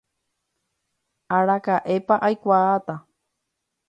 Araka'épa aikuaáta.